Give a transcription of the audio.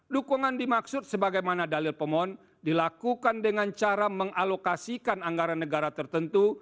dukungan dimaksud sebagaimana dalil pemohon dilakukan dengan cara mengalokasikan anggaran negara tertentu